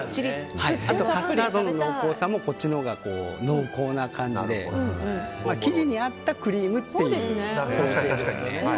あとカスタードの濃厚さもこっちのが濃厚な感じで生地に合ったクリームですね。